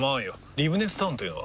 リブネスタウンというのは？